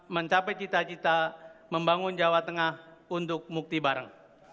mencapai cita cita membangun jawa tengah untuk mukti bareng